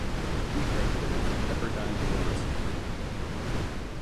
He graduated from Pepperdine University.